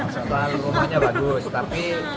setelah rumahnya bagus tapi